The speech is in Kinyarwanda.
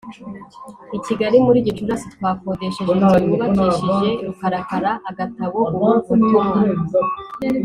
i Kigali muri Gicurasi twakodesheje inzu yubakishije rukarakaAgatabo Ubu Butumwa